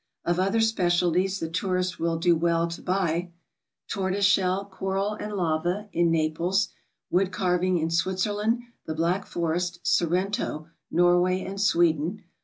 Of other specialties the tourist will do well to huy — Tortoise shell, coral and lava, in Naples. Wood carving, in Switzerland, the Black Forest, Sor rento, Norway and Sweden.